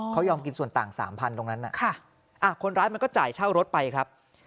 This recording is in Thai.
เขายอมกินส่วนต่าง๓๐๐ตรงนั้นคนร้ายมันก็จ่ายเช่ารถไปครับ